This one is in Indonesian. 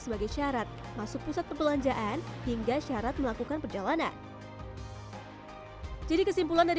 sebagai syarat masuk pusat perbelanjaan hingga syarat melakukan perjalanan jadi kesimpulan dari